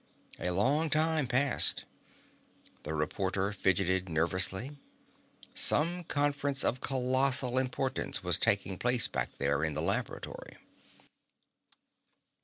A long time passed. The reporter fidgeted nervously. Some conference of colossal importance was taking place back there in the laboratory.